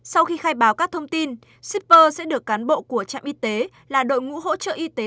sau khi khai báo các thông tin shipper sẽ được cán bộ của trạm y tế là đội ngũ hỗ trợ y tế